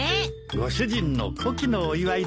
ご主人の古希のお祝いだって。